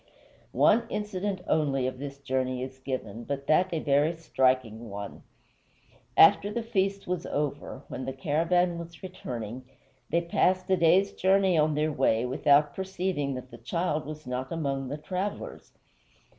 One incident only of this journey is given, but that a very striking one. After the feast was over, when the caravan was returning, they passed a day's journey on their way without perceiving that the child was not among the travelers.